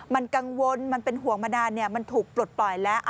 มันกังวลมันเป็นห่วงมานานมันถูกปลดปล่อยแล้ว